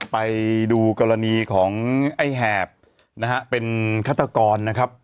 ไปดูกรณีของไอ้แหบนะฮะเป็นฆาตกรนะครับ